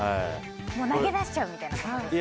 投げ出しちゃうみたいな感じですかね。